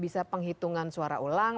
bisa penghitungan suara ulang